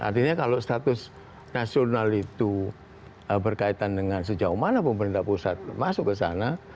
artinya kalau status nasional itu berkaitan dengan sejauh mana pemerintah pusat masuk ke sana